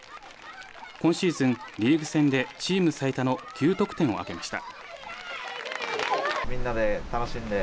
今シーズン、リーグ戦でチーム最多の９得点を挙げました。